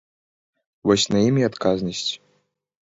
Вось на ім і адказнасць.